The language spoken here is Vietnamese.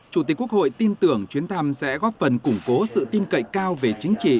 chủ tịch quốc hội tin tưởng chuyến thăm sẽ góp phần củng cố sự tin cậy cao về chính trị